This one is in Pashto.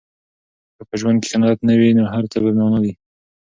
که په ژوند کې قناعت نه وي، نو هر څه بې مانا دي.